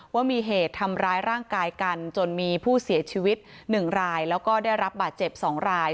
ว่ามีเหตุทำร้ายร่างกายกันจนมีผู้เสียชีวิต๑รายแล้วก็ได้รับบาดเจ็บ๒ราย